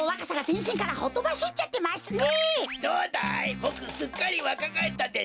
ボクすっかりわかがえったでしょ？